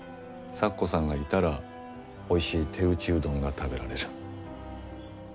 咲子さんがいたらおいしい手打ちうどんが食べられる。